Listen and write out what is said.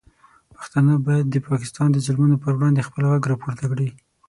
پښتانه باید د پاکستان د ظلمونو پر وړاندې خپل غږ راپورته کړي.